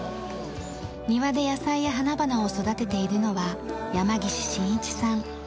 庭で野菜や花々を育てているのは山岸伸市さん。